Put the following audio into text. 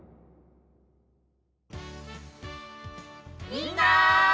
みんな！